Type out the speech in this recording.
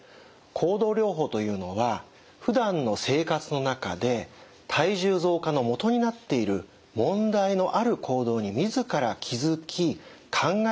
行動療法というのはふだんの生活の中で体重増加のもとになっている問題のある行動に自ら気づき考えて修正していく方法なんです。